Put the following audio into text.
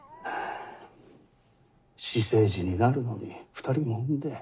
私生児になるのに２人も産んで。